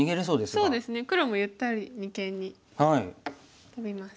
そうですね黒もゆったり二間にトビます。